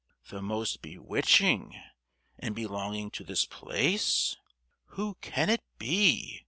"The most bewitching? and belonging to this place? Who can it be?"